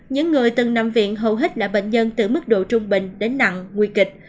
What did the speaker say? những người từng nằm viện hầu hết là bệnh nhân từ mức độ trung bình đến nặng nguy kịch